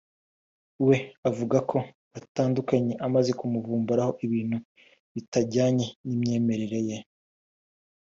we avuga ko batandukanye amaze kumuvumburaho ibintu bitajyanye n’imyemerere ye